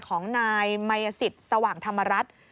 ของนายมัยสิทธิ์สว่างธรรมรัฐ